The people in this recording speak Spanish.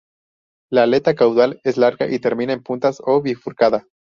La aleta caudal es larga y termina en puntas o bifurcada.